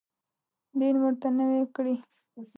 دین ورته نوی کړي.